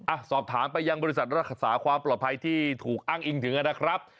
อ่ะสอบถามไปยังบริษัทรักษาความปลอดภัยที่ถูกอ้างอิงถึงนะครับ